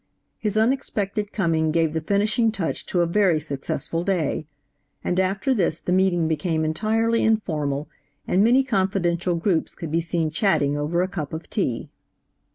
His unexpected coming gave the finishing touch to a very successful day, and after this the meeting became entirely informal and many confidential groups could be seen chatting over a cup of tea.